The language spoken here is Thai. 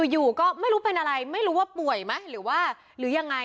อยู่ก็ไม่รู้เป็นอะไรไม่รู้ว่าป่วยไหมหรือว่าหรือยังไง